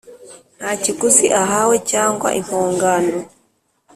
nta kiguzi ahawe cyangwa impongano.